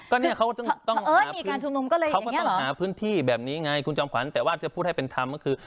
ก็นี่เขาต้องหาพื้นที่แบบนี้ไงคุณจอมขวัญแต่ว่าจะพูดให้เป็นทำก็คือ